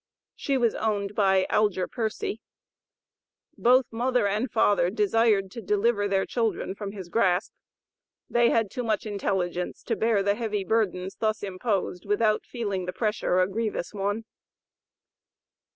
She was owned by Algier Pearcy. Both mother and father desired to deliver their children from his grasp. They had too much intelligence to bear the heavy burdens thus imposed without feeling the pressure a grievous one.